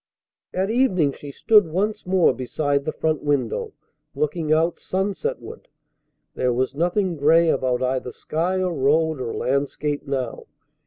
At evening she stood once more beside the front window, looking out sunsetward. There was nothing gray about either sky or road or landscape now.